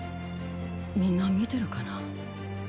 みんな見てるかな？